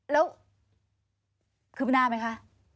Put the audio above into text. แล้วคืบหน้าไหมคะ